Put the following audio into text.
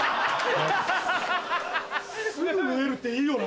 すぐ縫えるっていいよな。